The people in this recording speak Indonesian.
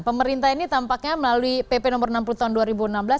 pemerintah ini tampaknya melalui pp nomor enam puluh tahun dua ribu enam belas